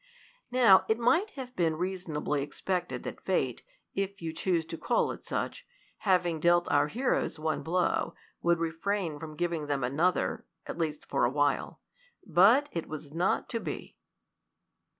Now it might have been reasonably expected that Fate, if you choose to call it such, having dealt our heroes one blow, would refrain from giving them another, at least for a while. But it was not to be.